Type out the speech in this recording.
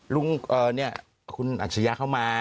ลุงเนี่ยคุณอัศยะเข้ามา